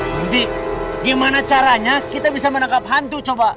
nanti gimana caranya kita bisa menangkap hantu coba